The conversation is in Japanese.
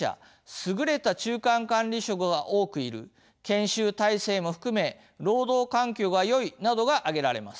「優れた中間管理職が多くいる」「研修体制も含め労働環境がよい」などが挙げられます。